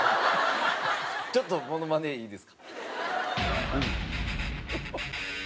ちょっとモノマネいいですか？